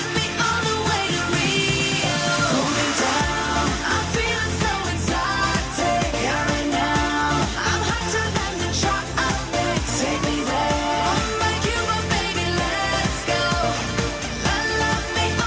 mau tahu artinya narsis